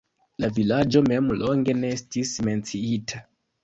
La vilaĝo mem longe ne estis menciita.